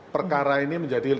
perkara ini menjadi